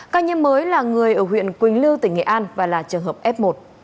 ca nhiễm mới là người ở huyện quỳnh lưu tỉnh nghệ an và là trường hợp f một